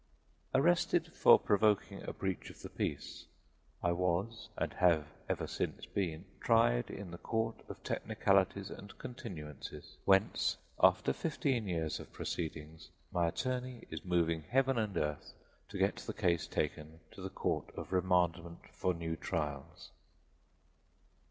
Arrested for provoking a breach of the peace, I was, and have ever since been, tried in the Court of Technicalities and Continuances whence, after fifteen years of proceedings, my attorney is moving heaven and earth to get the case taken to the Court of Remandment for New Trials.